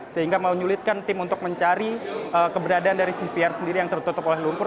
sehingga menyulitkan tim untuk mencari keberadaan dari cvr sendiri yang tertutup oleh lumpur